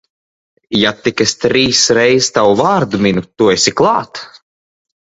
Ja tik es trīs reiz tavu vārdu minu, tu esi klāt.